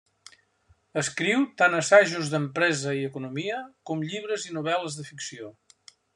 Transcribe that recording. Escriu tant assajos d'empresa i economia com llibres i novel·les de ficció.